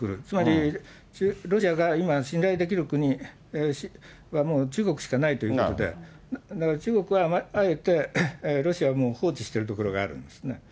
つまり、ロシアが今、信頼できる国は、もう中国しかないということで、だから中国はあえて、ロシアをもう、放置しているところがあるんですね。